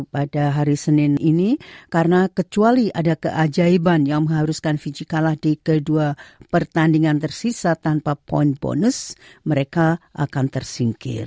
pada hari senin ini karena kecuali ada keajaiban yang mengharuskan fiji kalah di kedua pertandingan tersisa tanpa poin bonus mereka akan tersingkir